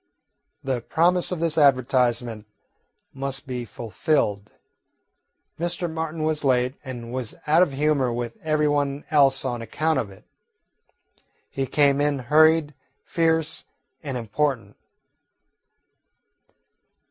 The promise of this advertisement must be fulfilled. Mr. Martin was late, and was out of humour with every one else on account of it. He came in hurried, fierce, and important.